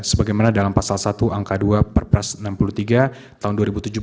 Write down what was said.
sebagaimana dalam pasal satu angka dua perpres enam puluh tiga tahun dua ribu tujuh belas